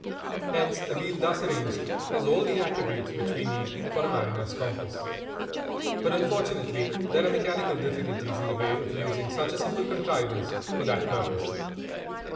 Hence a wheel thus arranged has all the attributes which we need for a mariner's compass. But unfortunately there are mechanical difficulties in the way of using such a simple contrivance for that purpose.